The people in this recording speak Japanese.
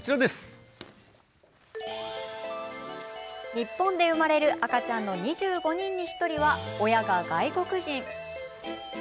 日本で生まれる赤ちゃんの２５人に１人は、親が外国人。